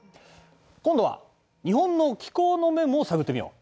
今度は日本の気候の面も探ってみよう。